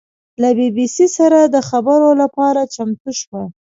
له بي بي سي سره د خبرو لپاره چمتو شوه.